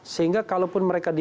sehingga kalaupun mereka dibidik